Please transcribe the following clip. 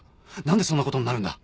何でそんなことになるんだ？